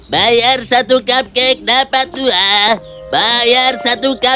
bayar satu cupcake dapat dua bayar satu cupcake dapat dua